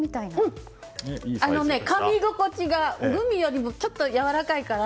かみ心地が、グミよりもちょっとやわらかいから。